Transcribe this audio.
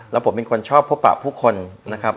แล้วผมเป็นคนชอบพบปะผู้คนนะครับ